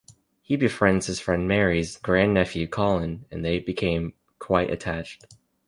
He befriends his friend Mary's grand-nephew, Colin, and they become quite attached.